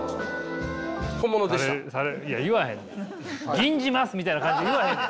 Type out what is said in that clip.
「吟じます」みたいな感じで言わへんって。